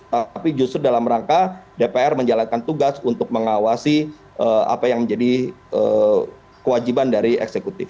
tapi justru dalam rangka dpr menjalankan tugas untuk mengawasi apa yang menjadi kewajiban dari eksekutif